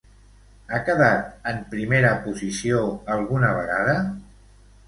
Ha quedat en primera posició alguna vegada?